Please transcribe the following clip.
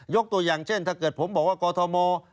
ตัวอย่างเช่นถ้าเกิดผมบอกว่ากอทม